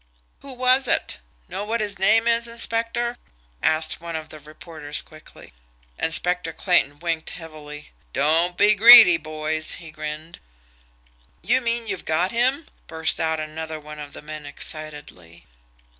"Who was it? Know what his name is, inspector?" asked one of the reporters quickly. Inspector Clayton winked heavily. "Don't be greedy boys," he grinned. "You mean you've got him?" burst out another one of the men excitedly.